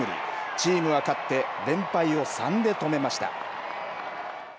チームは勝って、連敗を３で止めました。